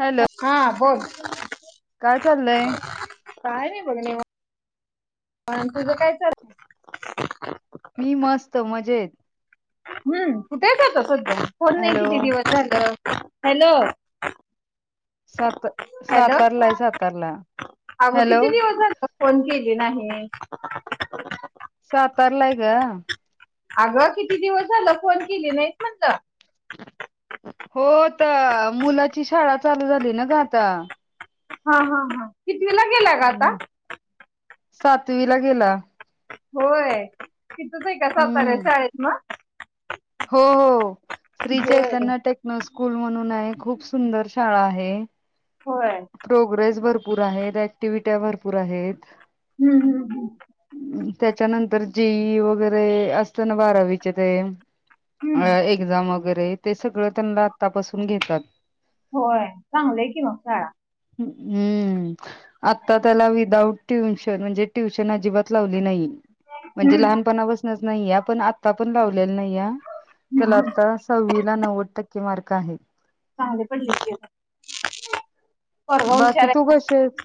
Hello हा बोल. काय चाललंय. पण तुझं काय चाल मी मस्त मजेत हम्म कुठेचातो सध्या फोन नाही हॅलो किती दिवस झालं हॅलो. सात हॅलो सातारलाय सातारला अगं हॅलो किती दिवस झालं फोन केली नाही. सातारलाय का. अगं किती दिवस झालं फोन केली नाहीत म्हणलं. हो आता मुलाची शाळा चालू झाली ना ग! आता हा हा हा कितवीला गेला ग आता? सातवी ला गेला. होय तीथच आहे का सातारा हम्म शाळेत मग हो हो श्री होय चैतन्य टेकनो स्कूल म्हणून हाय. खूप सुंदर शाळा आहे. होय प्रोग्रेस भरपूर आहेत. ऍक्टिव्हट्या भरपूर आहेत. हम्म हम्म ह्. अं, त्याच्यानंतर जेई वगैरे असतं ना बारावीचे ते अ हम्म एक्झाम वगैरे ते सगळं त्यांना आतापासून घेतात. होय चांगलंय की मग शाळा ह हम्म. आता त्याला विदाउट ट्युशन म्हणजे ट्युशन अजिबात लावली नाही. म्हणजे हम्म लहानपणापासनच नाहीए पण आता पण लाव लेली नाही हा तर, हम्म तेला हम्म आता सहाविला नव्वद टक्के मार्क आहेत. चांगले पडलेत की मग पोरग बाकी हुशार तू हाय. कशी आहेस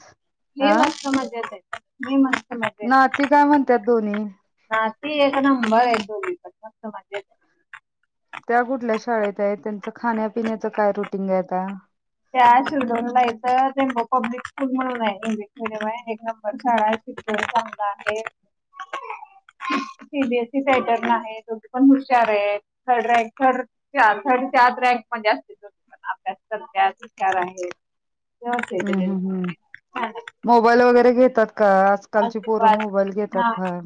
मी अ मस्त मजेत हाय मी मस् नाती काय म्हणत्यात दोन्ही? ती एक नंबर आहेत. दोघी पण मस्त मजेत आहेत. त्या कुठल्या शाळेत आहेत, त्यांच खाण्यापिण्याचं काय रुटीन हाय आता? त्या शिरढोण ला आहेत. इथं ते पब्लिक स्कूल म्हणून आहे, इंग्लिश मिडियम आहे एक नंबर शाळा हाय शिक्षण चांगलं आहे. [inaudible] सीबीएसई पॅटर्न आहे. दोघी पण हुशार आहेत. थर्ड रँकर थर्ड त्याचं रँक मध्ये असतेत दोघी पण, अभ्यास करत्यात हुशार आहेत. व्यवस्थित ह आहे त्यांचं ह ह दोघींचं मोबाईल वगैरे घेत. [unintelligible] अ फार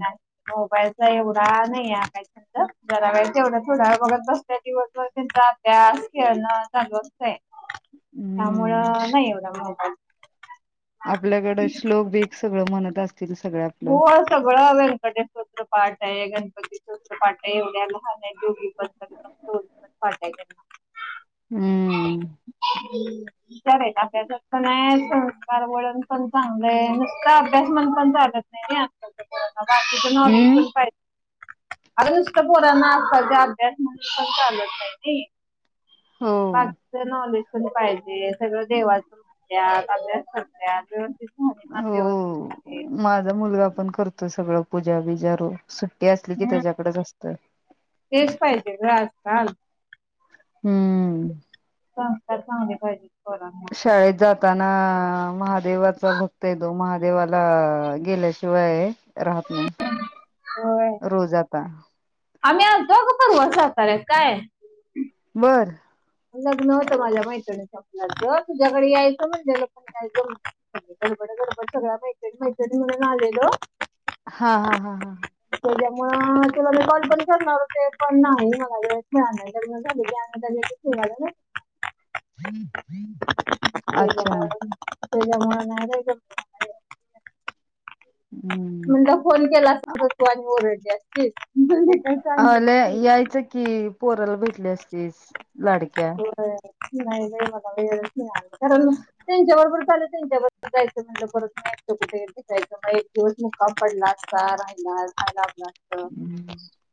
मोबाईलचा एवढा नाही काय अभ्यास करत्यात. घेतात जरा वेळ तेवढंच, थोडावेळ बघत बसत्यात दिवसभर तेंचा अभ्यास, खेळणं चालू असतंय हम्म त्यामुळं नाही एवढा मोबाईल आपल्याकड श्लोक बीक सगळं म्हणत असत्यात. होय सगळं व्यंकटेश्वर स्त्रोत पाठ हाय गणपती स्त्रोत पाठ हाय उद्या आणि सांगितलय तो पण दोघींना पण पाठ हाय हम्म हम्म [inaudible] विचारायच अभ्यासात पण हाय, संस्कार वळण पण चांगलंय नुसता अभ्यास म्हनुण पण चालत नाही आताच्या पोरांना बाकीच नॉलेज हम्म पण पाहिजे. अग नुसत पोरांना आताच्या अभ्यास म्हणून पण चालत नाही नी हो बाकीच नॉलेज पण पाहिजे, सगळं देवाच म्हणत्यात, अभ्यास करत्यात. राहणीमान हो व्यवस्थित आहे. हो माझा मुलगा पण करतोय, सगळं पूजा बिजा रोज ते असली की हम्म त्याच्याकडेच असतं. तेच पाहिजे ग आजकाल हम्म. संस्कार चांगले पाहिजे. शाळेत जात ताना महादेवाचा भक्त आहेे. तो महादेवाला गेल्याशिवाय राहत नाही रोज आता आमी आलतो अग परवा साताऱ्यात काय? बर. यायच तुझ्याकडे यायचं म्हटलेल पण काय जमल? अग गडबड गडबड सगळ्या मैत्रीणी मैत्रीणी मिळून आलेलो. हा हा हा हा. मुळे तुला मी कॉल पण करणार होते पण नाही मलाळा म झा की हम्म ते ते हम्म म्हटल फोन केला असता तर तू आणखी ओरडली असतीस म्हणजे काय अला सांगितलं यायचं की पोराला भेटली असतीस लाडक्या होय नाही नाही मला वेळच नाही आज कारण त्यांच्याबरोबर लं त्यांच्याबरोबर जायचं म्हणट परत माचं कुठे जायचं एक दिवस मुक्काम पडला असता राहिला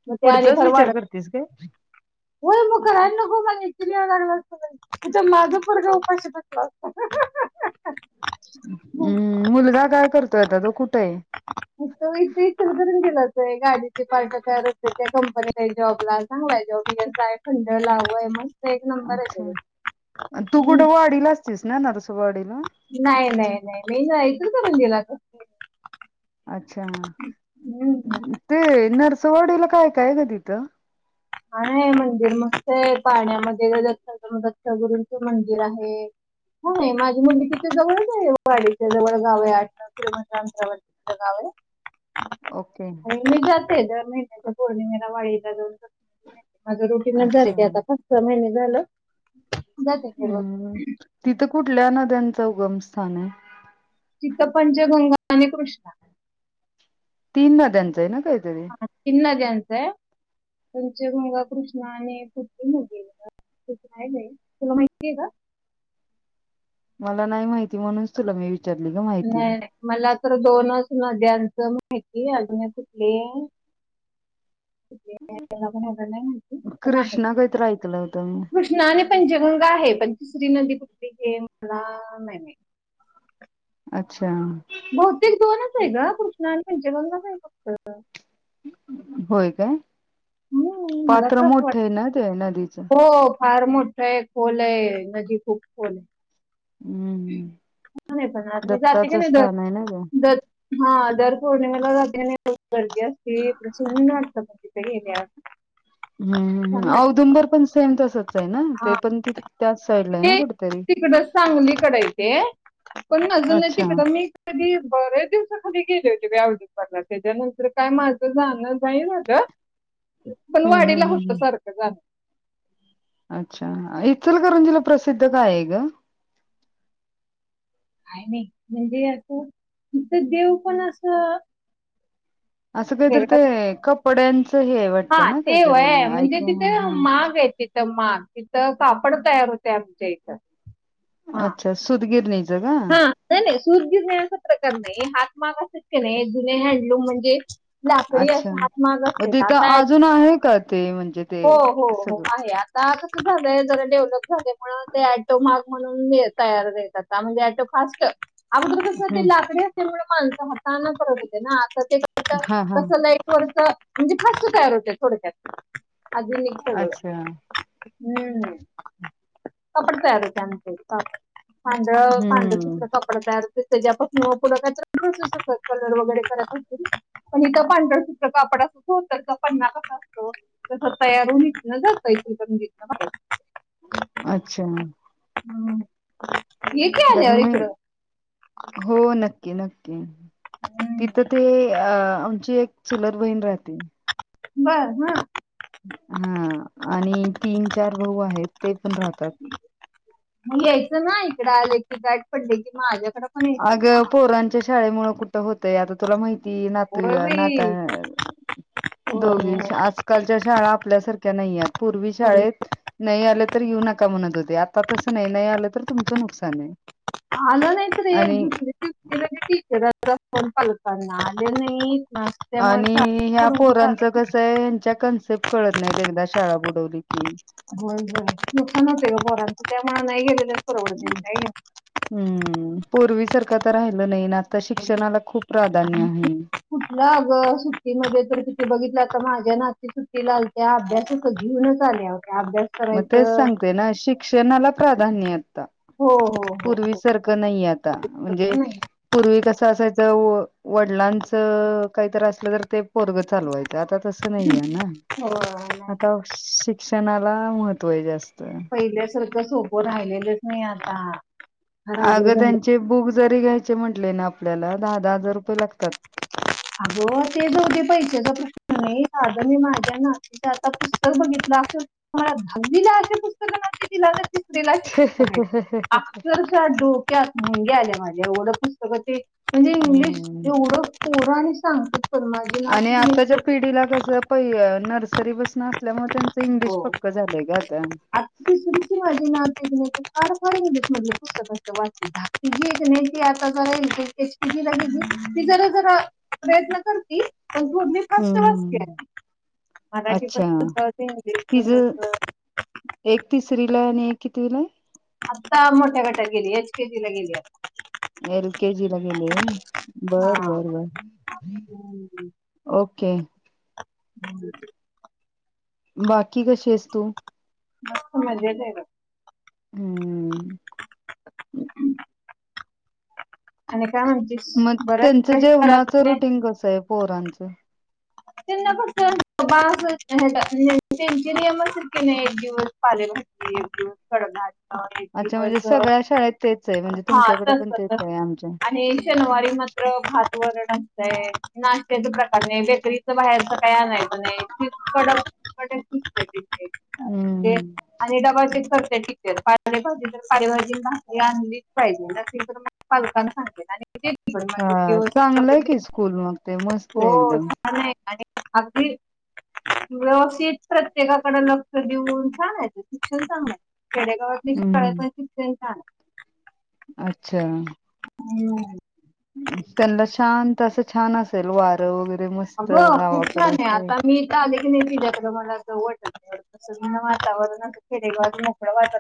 मग ते आणि पुढचाच विचार भरवाडत करतेस काय होय मकर नको म चि लागला असत तथ माध पर उपाशी टकला अस हम् मुलगा काय करतोय आता तो कुठं आहे म इ इथ गेला गाडीचे पार्ट तयार असते त्या कंपनीला जॉबला चांगला आहे जॉब तय खथंड लावूय मग अच्छा तू हम्म. कुठं वाडीला असतीस ना नरस वाडीला मे ऐच का म्हणंदेला का अच्छा ते नरसवाडीला ऐ काय ग तिथं हा मंदिर मस्त आहे पाण्यामध्ये दत्त गुरू दत्त गुरूंचे मंदिर आहे होय माझी मुलगी तिथ जवळच आहे वाडीच्या जवळ गाव आहे आठि गाव आहे ओके आणि मी जाते दर महिन्याच्या पौर्णिमेला वाळीला दोन माझं रुटीनच झा र अच्छा ते आता पाच सहा महिने झालं जाते मी रोज हम्म तिथं कुठल्या नद्यांचं उगमस्थान आहे चितपंचगंगा आणि कृष्णा तीन नद्यांचं आहे ना काहीतरी हा तीन नद्यांच आहे पंच गंगा कृष्णा आणि पुट न गेला य आहे तुला माहिती आहे का मला नाही माहिती म्हणूनच तुला मी विच नाही नाही मला तर दोनच नद्यांचं माहिती अजून कुठली [inaudible] आहे कृष्णा काहीतरी ऐकलं होतं मी कृष्णा आणि पंचगंगा आहे तिसरी नदी पकली हे मला नाही अच्छा बहुतेक दोनच आहे का कृष्णा आणि यांचे बंगच आहे फक्त होय काय हम्म, मला पात्र तर असं वाटतं मोठे ना ते नदीचं हो फार मोठा आहे खोल आहे नदी खूप खोल आहे हम्म नाही पण आले जाते की दत्ताचं नाही जर स्थान आहे ना ग जर हा दर पौर्णिमाला जने गर्दी असतेून वाटत म तिथे घेण्या हम् औदुंबर पण सेम तसच आहे ना हा ते पण तिथ त्याच साईडला आहे ना कुठेतरी सांगली इकड इथे पण अजून अच्छा तिकड हम्म मी बर्याच दिवसा खाली गेले होते बवजपला त्याच्यानंतर काय माझं जाण जाई माझ पण हम्म वाढला हम्म होत हम्म सारखं जाणं अच्छा इचलकरंजीला प्रसिद्ध काय आहे ग काय नाही म्हणजे आता तथ देव पण असं असं काहीत ते वेगळाच- कपड्यां हा तेव आहे म्हणजे तिथे हा माग आहे तिथ मान तिथं कापड तयार होते आमच्या इथं हा अच्छा सुधगीर नि हा नाहीले दूध घिरणे असा प्रकार नाही हात माग असत क नाही जुने हँडलूम म्हणजे लाकडी अच्छा हातमाग मग असते तिथं आता अजून आहे का ते म्हणजे ते हो हो हो सगळं आहे आ आ कस झालंय जरा डेव्हलप झाल्या ते टोमार्ग म्हणून तयारतातता म्हणजे फ अगर कस हम्म लाकडी असल्यामुळे माणसं हातना फरक होते ना आ कस हा हा एकडचं म्हणजे फस्ट तयार होते थोडक्यात अज मस ब अच्छा हम्म कपडे प्या द त्यांतेांडळा हम्म कपडा तयार हो म कलर वगैरे पण इथं पांढरसत्र कापडा सुचो तरचा पन्ना कसा असतो तस तयार होून इचलं जातय घ बर अच्छा हम्म ये की क आल्यावर म इकडं हो नक्की नक्की तिथं ते अ आमची एक चुलत बहीण राहते बर हा हा आणि तीन चार भाऊ आहेत ते पण राहतात म यायचं ना इकडे आलं की बॅट पडले की माझ्या अग पोरांच्या शाळेमु कुठं होतंय आता तुला माहिती त ना तू होय ना बाई होय दोघी होय आजकालच्या शाळा ल्याार्या नाही पूर् होय शाेत नाही आ तर येऊ नका म्हणत होते आता तसं नाही नाही आलं तर तुमचं नुकसान आहे आलं नाहीत रे एक आणि दुसर टीचर पालताना आलं नाही त्यामुळे आणि शाळा ह्या बुडवून पोरांच काढत कस आहे हच्या कन्सेप्ट कळत नाहीत एकदा शाळाप होय ज दखानत पर त ते आम हम्म पूर्वी सारखं तर राहिलं नाही ना आता शिक्षणाला खूप प्राधान्य आहे कुठलं अगं सुट्टीमध्ये तर किठे बघितलं समाजा ना तिथु तिलाल त्या अभ्यासाक जीवनच आल्या होत मग तेच सांगते ना शिक्षणाला प्राधान्य हो हो हो पूर्वी हो सारखं नाही आता म्हणजे तसं नाही पूर्वी कसं असायचं वडिलांच काहीत असलं तर ते परग चालवायच आता तस नाही आहे ना हो नाही आता शिक्ष महत्वा असत पहिल्यासारखं सोपं राहिलेलंच नाही आता फार अवघड अगं झालं त्यांचे बुक जरी घ्यायचे म्हटले ना आपल्याला दहा दहा हजार रुपये लागतात अगो ते दोघे पैशाचा प्रश्न नाही आध मी माझ्या नातीचे आता पुस्तक बघितलं तु्हाला लीला पुस्तक मा श अर डोक्यात म्या आल्या माझ्या एवढं पुस्तकं ते म्हणजे इंग्लिश हम्म एवढं परं आणि सांग आणि आताच्या पिढीला कस प नर्सरी बस न असल्यामुळे त्यांच इंग्लिश पक्क झालं हो का तर त सुुचीवा मात नाही खू सत्य की ज एक नी आताची लगे ज प्रय कर दो हम्म पा हम्म मराठी अच्छा पद् इंग्लिश तिझं प एक तिसरी ला आणि एक त्रीला आत्ता मोठ्या गटात गेली एच केजी ला गेली आता एल केजी ला गेले बर हा बर बर ओके हम् बाकी कशीस तू? ब मजच ना. हम् आणि काय म्हणतेस मग बरं त्यांच आहे जेवणाच घरातले रुटीन कस आहे पोरांचं? त्यांना फक्त त्यांचे नियम अस की नाही एक दिवस पाले अच्छा [unintelligible] म्हणजे दिवस सगळ्या शाळेत तेच आहे म्हणजे हाच तुमच्याकडे पण तेच आहे आमच्या आणि शनिवारी म [unintelligible] बाहेरच काय नाही पण कड हम्म. आणि डब्बा चेक कजी पालेभाजीली पाहिजे असेल तर पालकांना सांगेल आणि हा चांगलंय की स्कूल मग ते मस्त हो आहे एकदम नाही आणि अगदी अशीच प्रत्येकाकड लक्ष देऊन छान आहेत शिक्षण चांगला आहे. जडेगावात हम्म. कळपाट अच्छा! हम् त्यांना शांत असं छान असेल वारं वगरे अ ब खूप छान आहे, आता मी इथ आले की नाय तुझ्याकड मला अस वाटत वातावरण खेडेगावात मोकळं वागा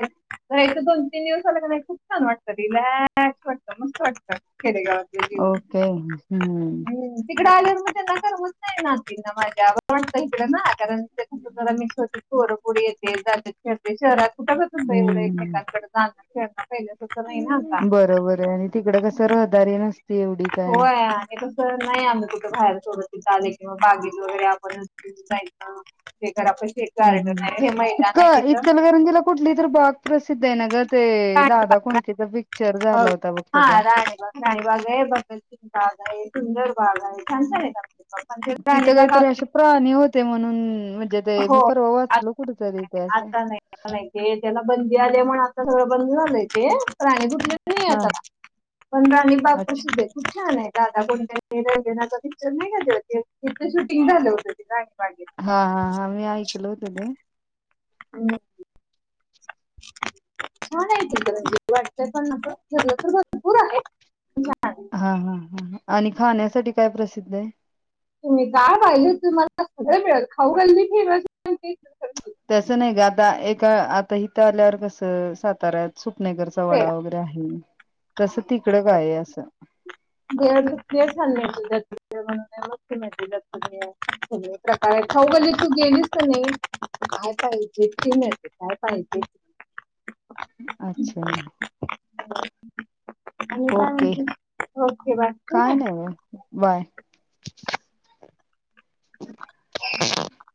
[unintelligible] तर एकथं दोन तीन दिवस आला का नाही खूप छान वाटतं रिलॅक्स वाटतं मस्त वाटतं खेडेगावात ओके हम्म. इ आल्यावर न होत नाही ना माझ इ कारण [unintelligible] पोरा पोरी येतेत खेळते शहरात कुठं बच अस एवढ हम्म. एकमेकांकडे जाणार खेळणार. बरोबर आहे, आणि तिकड कस रहदारी नसती एवढी हो काय नाय आमही कसं नाय आणि कुठ बाहेर किंवा बागी वगैरे आपण जायच हम्म हम्म तिथं इचलगरंजिला कुठली इ तर बाग प्रसिद्ध आहे ना ग,? हा ते दादा कोंडकेचा पिक्चर झाला होता बघ त्याचा राणीबाग, राणीबाग आहे बघ आहे. सुंदर बाग आहे छानच आहे. तिथं काहीतरी असे प्राणी होते म्हणून म्हणजे ते हो मी परवा आत- वाचलो कुठेतरी नाही, त्या नाही, आता नाही नाही ते त्याला बंदी आल्यामूळ आता सगळं बंद झालंय ते प्राणी दु [unintelligible] हा दादा अच्छा कोंडके पिक्चर नाही का त्यो तिथे शूटिंग झालं होतते ते. राणीबागेत हा हा हा मी ऐकल होतं ते. अ [unintelligible] छान आहेण वाट प तर भरपूर आहे. हा हा हा आणि खाण्यासाठी काय प्रसिद्ध हाय? तुम्ही पाहिले तुम्हाला सगळं मिळत खाऊ गल्ली फेमस तस नाही ग, आता एका आता हथं आल्यावर कसं साताऱ्यात सुपनेकरचा वडा वगैरे आहे. तसं तिकडं [unintelligible] काय आहे असं [unintelligible] प्रकारे खाऊ गल्लीत तू गेलीस का नाहीस काय पाहिजे इतकी माते काय पाहिजे [inaudible] अच्छा! [inaudible] आणि काय ओके म्हणते ओके बाय ठेवू काय नाही बाय. ह